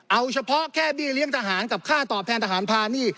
เอาเฉพาะแค่เบี้ยเลี้ยงทหารกับค่าตอบแทนทหารพานี่